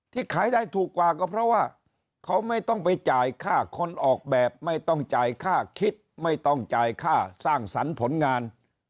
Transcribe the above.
ขายได้ถูกกว่าก็เพราะว่าเขาไม่ต้องไปจ่ายค่าคนออกแบบไม่ต้องจ่ายค่าคิดไม่ต้องจ่ายค่าสร้างสรรค์ผลงาน